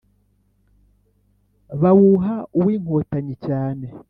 Bawuha uw'inkotanyi cyane,